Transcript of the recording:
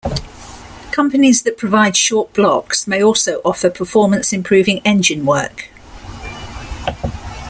Companies that provide short blocks may also offer performance improving engine work.